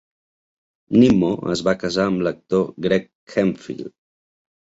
Nimmo es va casar amb l"actor Greg Hemphill.